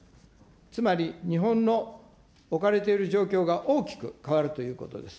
つまり日本の置かれている状況が大きく変わるということです。